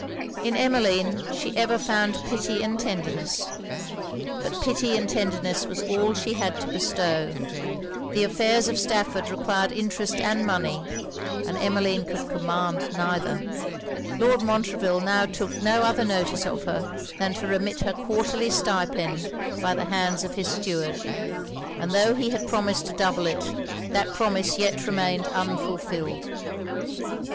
In Emmeline, she ever found pity and tenderness; but pity and tenderness was all she had to bestow. The affairs of Stafford required interest and money; and Emmeline could command neither. Lord Montreville now took no other notice of her, than to remit her quarterly stipend by the hands of his steward; and tho' he had promised to double it, that promise yet remained unfulfilled.